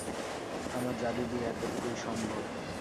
আমার জাদু দিয়ে এতটুকুই সম্ভব।